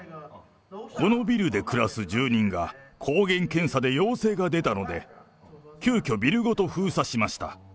このビルで暮らす住人が、抗原検査で陽性が出たので、急きょ、ビルごと封鎖しました。